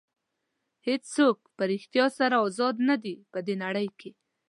هېڅوک په ریښتیا سره ازاد نه دي په دې نړۍ کې.